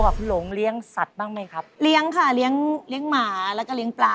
ถ้าเป็นเทพนิยายหรือว่าวันง